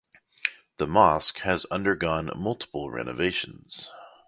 The mosque has undergone multiple renovations.